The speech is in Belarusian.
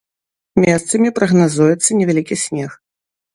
Месцамі прагназуецца невялікі снег.